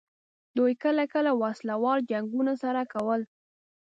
دوی کله کله وسله وال جنګونه سره کول.